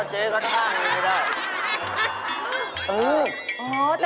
เจ๊จะกัดแข็งพ่อเจ๊ก็ท่างนี้ไม่ได้